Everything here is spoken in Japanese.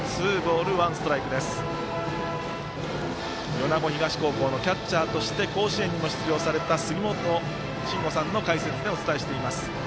米子東高校キャッチャーとして甲子園にも出場された杉本真吾さんの解説でお伝えしています。